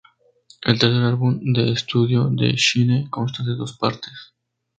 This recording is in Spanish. El tercer álbum de estudio de Shinee consta de dos partes.